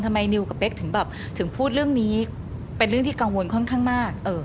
นิวกับเป๊กถึงแบบถึงพูดเรื่องนี้เป็นเรื่องที่กังวลค่อนข้างมาก